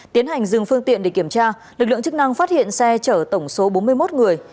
tiến hành dừng phương tiện để kiểm tra lực lượng chức năng phát hiện xe chở tổng số bốn mươi một người